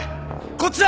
こっちだ。